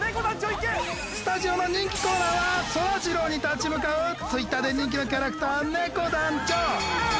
スタジオの人気コーナーはそらジローに立ち向かうＴｗｉｔｔｅｒで人気のキャラクターねこ団長。